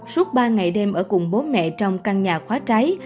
suốt ba ngày đêm ở cùng bố mẹ trong căn nhà khóa cháy